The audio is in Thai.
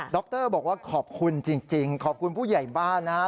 รบอกว่าขอบคุณจริงขอบคุณผู้ใหญ่บ้านนะฮะ